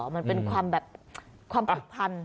มันเป็นความผูกพัน